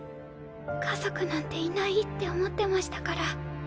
家族なんていないって思ってましたから。